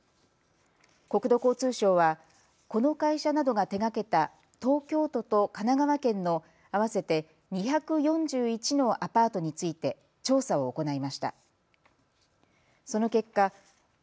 国土交通省はこの会社などが手がけた東京都と神奈川県の合わせて２４１のアパートについて調査を行いました。